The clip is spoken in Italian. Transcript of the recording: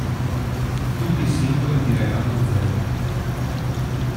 Tutti i singoli di Renato Zero